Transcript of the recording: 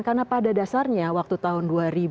karena pada dasarnya waktu tahun dua ribu tiga dua ribu empat